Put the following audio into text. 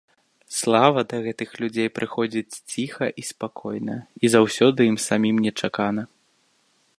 Слава да гэтых людзей прыходзіць ціха і спакойна, і заўсёды ім самім нечакана.